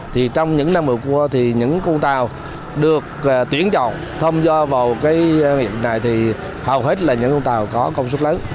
trong những năm vừa qua thì những con tàu được tuyển chọn tham gia vào nghị định này thì hầu hết là những con tàu có công suất lớn